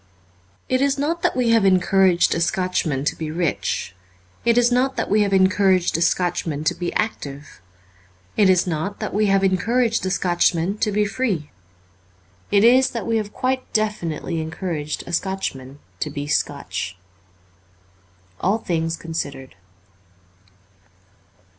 It is not that we have encouraged a Scotchman to be rich ; it is not that we have encouraged a Scotchman to be active ; it is not that we have encouraged a Scotchman to be free. It is that we have quite definitely encouraged a Scotchman to be Scotch. 'Jll Things Considered.'